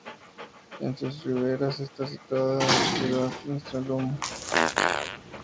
En sus riberas está la ciudad de Stralsund.